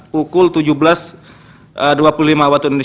pukul tujuh belas dua puluh lima wib